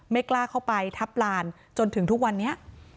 ไม่กล้าเข้าไปทับลานจนถึงทุกวันนี้